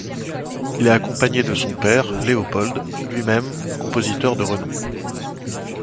Il est accompagné de son père Léopold, lui-même compositeur de renom.